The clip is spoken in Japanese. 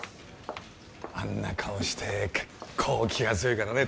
あんな顔して結構気が強いからね